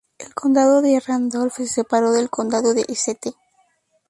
El condado de Randolph se separó del condado de St.